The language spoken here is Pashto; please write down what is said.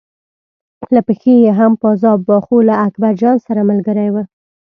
له پښې یې هم پازاب و خو له اکبرجان سره ملګری و.